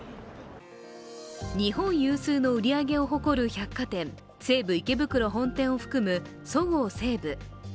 日本有数の売り上げを誇る百貨店、西武池袋本店を含むそごう・西武。